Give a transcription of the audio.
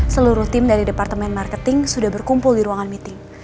seluruh tim dari departemen marketing sudah berkumpul di ruangan meeting